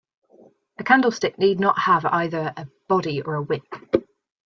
A candlestick need not have either a body or a wick.